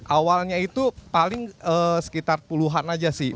awalnya itu paling sekitar puluhan aja sih